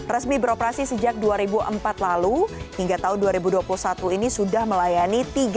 resmi beroperasi sejak dua ribu empat lalu hingga tahun dua ribu dua puluh satu ini sudah melayani tiga